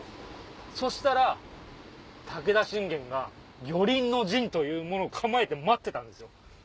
そしたら武田信玄が魚鱗の陣というものを構えて待ってたんですよ。